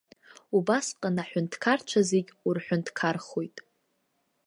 Убасҟан аҳәынҭқарцәа зегь урҳәынҭқархоит!